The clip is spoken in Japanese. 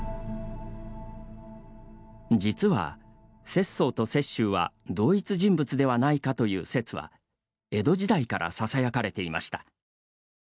実は、拙宗と雪舟は同一人物ではないかという説は江戸時代からささやかれていました。